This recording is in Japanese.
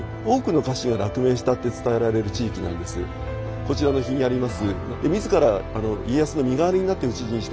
こちらの碑にあります